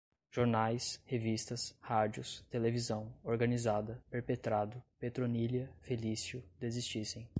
jornais, revistas, rádios, televisão, organizada, perpetrado, Petronília, Felício, desistissem